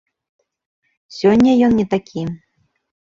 Сёння ён не такі.